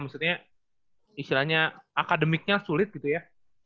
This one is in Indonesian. maksudnya istilahnya akademiknya sulit gitu ya